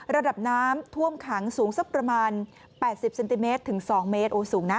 ระดับน้ำท่วมขังสูงสักประมาณ๘๐เซนติเมตรถึง๒เมตรโอ้สูงนะ